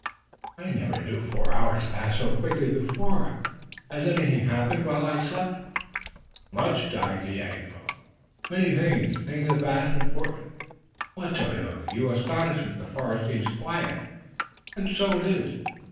"I never knew four hours to pass so quickly before. Has anything happened while I slept?" "Much, Dagaeoga. Many things, things of vast importance." "What, Tayoga! You astonish me. The forest seems quiet." "And so it is.